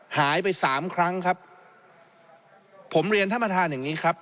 หายไปสามครั้งครับผมเรียนท่านประธานอย่างงี้ครับ